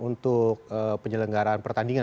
untuk penyelenggaran pertandingan